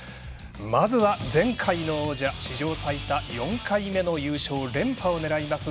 まずは、前回の王者史上最多４回目の優勝連覇を狙います